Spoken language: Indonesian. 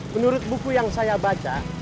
menurut buku yang saya baca